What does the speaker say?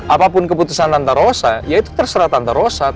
apapun keputusan tante rosa ya itu terserah tante rosa